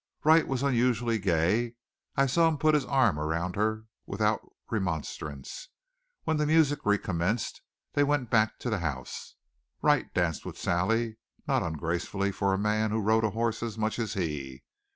Wright was unusually gay. I saw him put his arm around her without remonstrance. When the music recommenced they went back to the house. Wright danced with Sally, not ungracefully for a man who rode a horse as much as he.